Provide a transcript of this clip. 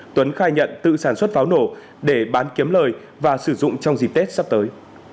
tuấn khai nhận tự sản xuất pháo nổ để bán kiếm lời và sử dụng trong dịp tết sắp tới